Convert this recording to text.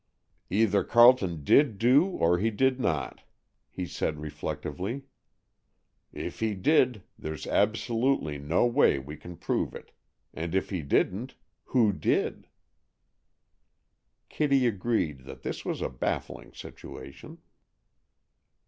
"Either Carleton did do or he did not," he said reflectively. "If he did, there's absolutely no way we can prove it; and if he didn't, who did?" Kitty agreed that this was a baffling situation.